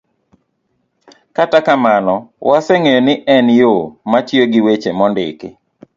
Kata kamano, waseng'eyo ni en yo matiyo gi weche mondiki.